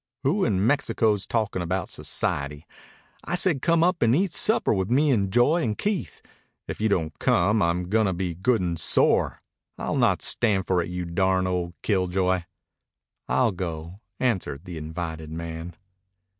"Who in Mexico's talkin' about society? I said come up and eat supper with me and Joy and Keith. If you don't come, I'm goin' to be good and sore. I'll not stand for it, you darned old killjoy." "I'll go," answered the invited man.